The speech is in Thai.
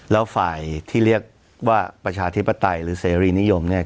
แล้วฝ่ายที่เรียกว่าประชาธิปไตยหรือเสรีนิยมเนี่ย